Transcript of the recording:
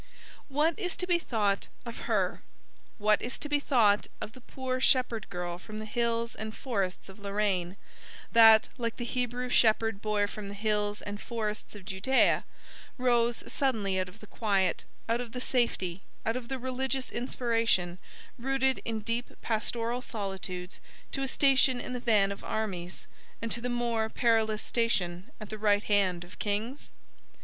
What is to be thought of her? What is to be thought of the poor shepherd girl from the hills and forests of Lorraine, that like the Hebrew shepherd boy from the hills and forests of Judæa rose suddenly out of the quiet, out of the safety, out of the religious inspiration, rooted in deep pastoral solitudes, to a station in the van of armies, and to the more perilous station at the right hand of kings?